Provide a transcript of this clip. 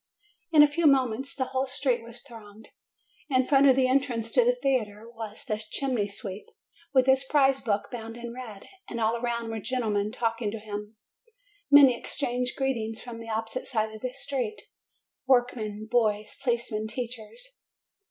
In a few moments the whole street was thronged. In front of the entrance to the theatre was the chimney sweep, with his prize book bound in red, and all around were "gentlemen talking to him. Many exchanged greetings from the opposite side of the street, work men, boys, policemen, teachers.